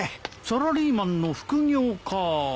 サラリーマンの副業か。